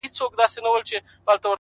خو يو ځل بيا وسجدې ته ټيټ سو ـ